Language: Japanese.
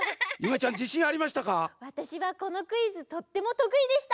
わたしはこのクイズとってもとくいでした！